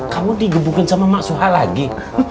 kamu digebukin sama maksuha lagi